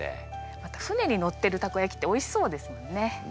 また舟に載ってるたこやきっておいしそうですもんね。